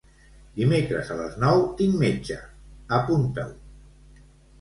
Dimecres a les nou tinc metge, apunta-ho.